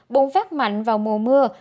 bùng phát mạnh vào mùa mưa